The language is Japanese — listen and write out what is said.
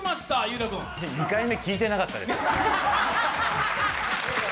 井浦君２回目聞いてなかったです